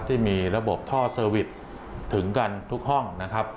ที่มีระบบท่อเซวิสถึงทุกห้อง